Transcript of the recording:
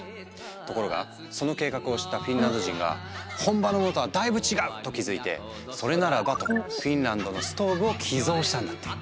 ところがその計画を知ったフィンランド人が「本場のものとはだいぶ違う」と気付いてそれならばとフィンランドのストーブを寄贈したんだって。